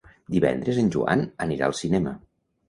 Divendres en Joan anirà al cinema.